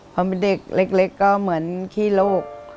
พอเป็นเด็กเล็กก็เหมือนขี้โลก